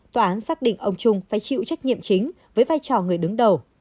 tòa án xác định ông trung phải chịu trách nhiệm chính với vai trò người đứng đầu